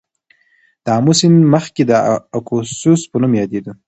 د آمو سیند مخکې د آکوسس په نوم یادیده.